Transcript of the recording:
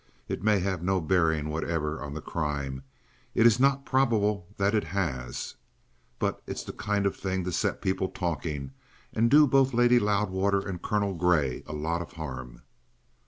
It may have no bearing whatever on the crime. It's not probable that it has. But it's the kind of thing to set people talking and do both Lady Loudwater and Colonel Grey a lot of harm."